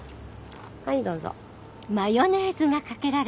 はいどうぞ。